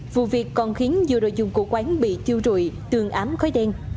vụ việc còn khiến nhiều đồ dùng của quán bị tiêu rụi tương ám khói đen